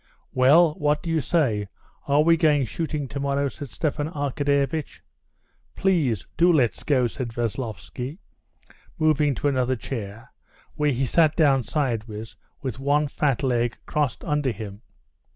"Well, what do you say, are we going shooting tomorrow?" said Stepan Arkadyevitch. "Please, do let's go," said Veslovsky, moving to another chair, where he sat down sideways, with one fat leg crossed under him.